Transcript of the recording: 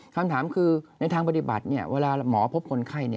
คำถามคือในทางปฏิบัติเวลาหมอพบคนไข้